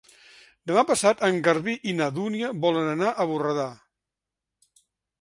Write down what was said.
Demà passat en Garbí i na Dúnia volen anar a Borredà.